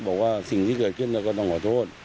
บอกว่าสิ่งที่เกิดขึ้นเราก็ต้องขอโทษ